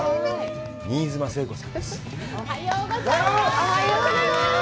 新妻聖子さんです。